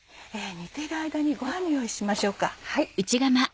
煮ている間にごはんの用意しましょうか。